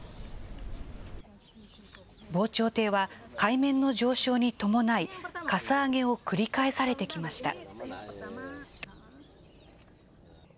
防潮堤は海面の上昇に伴い、かさ上げを繰り返されてきました。